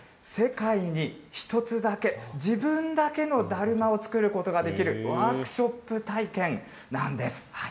世界に一つだけ、自分だけのだるまを作ることができる、ワークショップ体験なんです。